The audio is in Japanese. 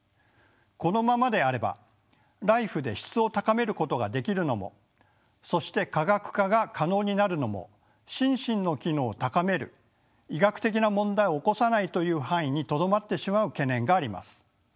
このままであればＬＩＦＥで質を高めることができるのもそして科学化が可能になるのも「心身の機能を高める」「医学的な問題を起こさない」という範囲にとどまってしまう懸念があります。